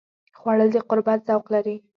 خوړل د قربت ذوق لري